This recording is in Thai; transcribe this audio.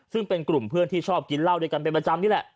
ซึ่งเป็นกลุ่มเพื่อนที่ชอบกินเหล้าด้วยกันเป็นประจำนี่แหละ